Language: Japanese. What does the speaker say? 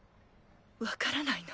分からないの。